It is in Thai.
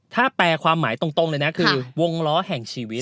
ถ้าแปลความหมายตรงเลยนะคือวงล้อแห่งชีวิต